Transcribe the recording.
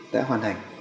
đã hoàn thành